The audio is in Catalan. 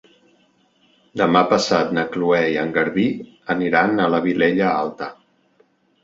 Demà passat na Cloè i en Garbí aniran a la Vilella Alta.